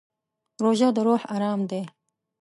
روژه د روح ارام دی.